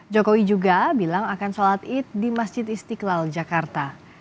jokowi juga bilang akan sholat id di masjid istiqlal jakarta